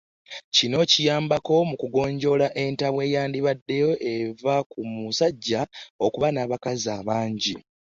Kino kyayambako mu kugonjoola entabwe eyandibadde eva ku musajja okuba n’abakazi abangi.